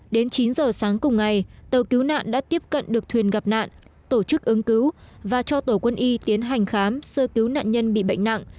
đến chín giờ sáng cùng ngày tàu cứu nạn đã tiếp cận được thuyền gặp nạn tổ chức ứng cứu và cho tổ quân y tiến hành khám sơ cứu nạn nhân bị bệnh nặng